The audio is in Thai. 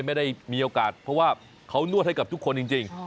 ไม่ได้มีโอกาสเพราะว่าเขานวดให้กับทุกคนจริง